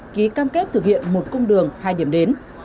ký cam kết thực hiện một cung đường hai điểm đến